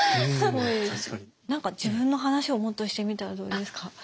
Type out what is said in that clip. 何か自分の話をもっとしてみたらどうですか？